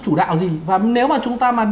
chủ đạo gì và nếu mà chúng ta mà